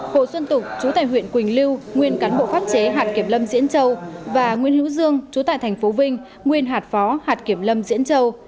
hồ xuân tục chú tại huyện quỳnh lưu nguyên cán bộ pháp chế hạt kiểm lâm diễn châu và nguyễn hữu dương chú tại tp vinh nguyên hạt phó hạt kiểm lâm diễn châu